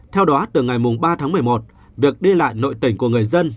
theo đó từ ngày ba tháng một mươi một việc đi lại nội tỉnh của người dân